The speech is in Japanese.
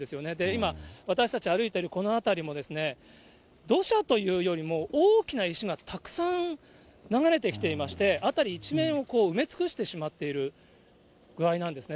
今、私たち、歩いているこの辺りも、土砂というよりも、大きな石がたくさん流れてきていまして、辺り一面を埋め尽くしてしまっている具合なんですね。